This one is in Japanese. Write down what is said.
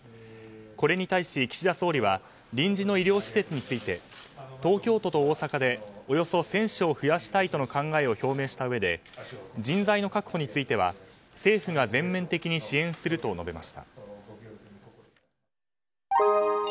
これに対し、岸田総理は臨時の医療施設について東京都と大阪でおよそ１０００床増やしたいという考えを表明したうえで人材の確保については政府が全面的に支援すると述べました。